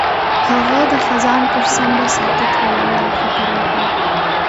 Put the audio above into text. هغه د خزان پر څنډه ساکت ولاړ او فکر وکړ.